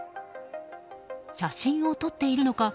写真を撮っているのか